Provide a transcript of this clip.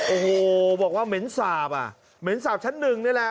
โอ้โหบอกว่าเหม็นสาบอ่ะเหม็นสาบชั้นหนึ่งนี่แหละ